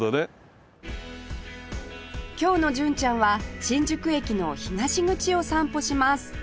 今日の純ちゃんは新宿駅の東口を散歩します